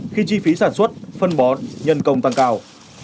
khi chi phí sản xuất phân bón nhân công tăng cao